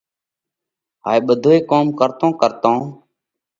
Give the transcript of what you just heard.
هائي ٻڌوئي ڪوم ڪرتون ڪرتون